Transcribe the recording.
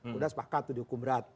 sudah sepakat itu dihukum berat